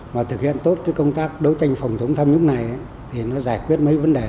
mà thực hiện tốt cái công tác đấu tranh phòng chống tham nhũng này thì nó giải quyết mấy vấn đề